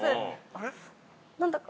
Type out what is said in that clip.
あっ、何だか。